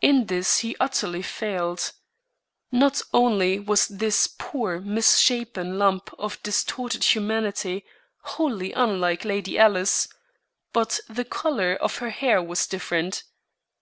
In this he utterly failed. Not only was this poor misshapen lump of distorted humanity wholly unlike Lady Alice, but the color of her hair was different.